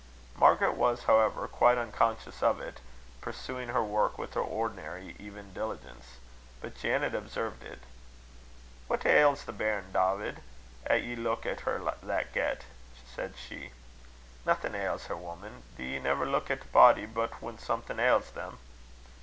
Margaret was, however, quite unconscious of it, pursuing her work with her ordinary even diligence. But Janet observed it. "What ails the bairn, Dawvid, 'at ye leuk at her that get? said she. "Naething ails her, woman. Do ye never leuk at a body but when something ails them?"